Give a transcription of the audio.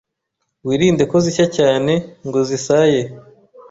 wirinde ko zishya cyane ngo zisaye